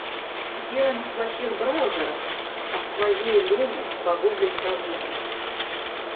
Дело не в плохих браузерах, а в твоей лени погуглить проблему.